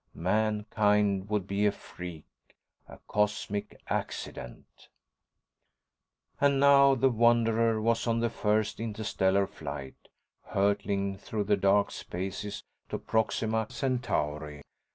Mankind would be a freak, a cosmic accident. And now the Wanderer was on the first interstellar flight, hurtling through the dark spaces to Proxima Centauri.